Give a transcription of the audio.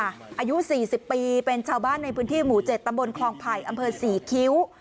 อายุ๔๐ปีเป็นชาวบ้านในพื้นที่หมู่๗ตำบลคลองไผ่อำเภอศรีคิ้ว